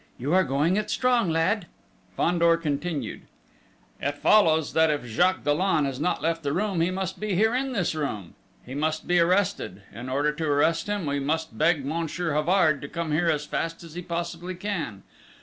You are going it strong, lad!" Fandor continued. "It follows, that if Jacques Dollon has not left the room, he must be here in this room. He must be arrested. In order to arrest him, we must beg Monsieur Havard to come here as fast as he possibly can!